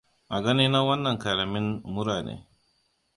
a gani na wannan karamin mura ne